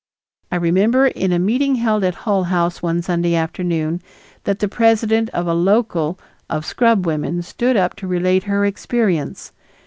I remember in a meeting held at Hull House one Sunday afternoon, that the president of a "local" of scrubwomen stood up to relate her experience.